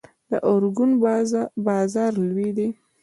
د ارګون بازار لوی دی